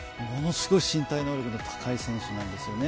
ものすごい身体能力の高い選手なんです。